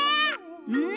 うん！